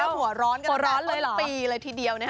หัวร้อนเรือกำลังคลอดปีเทียวเลย